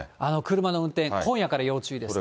車の運転、今夜から要注意ですね。